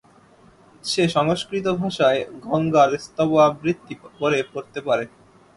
সে সংস্কৃতভাষায় গঙ্গার স্তব আবৃত্তি করে পড়তে পারে।